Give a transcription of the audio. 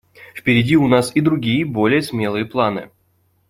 Впереди у нас и другие, более смелые планы.